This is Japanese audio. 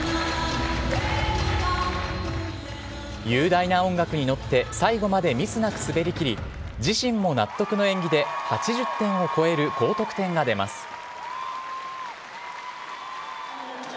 雄大な音楽に乗って最後までミスなく滑りきり自身も納得の演技で８０点を超える高得点が出ます。